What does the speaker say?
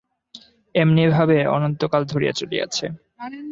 এমনি ভাবে অনন্তকাল ধরিয়া চলিয়াছে।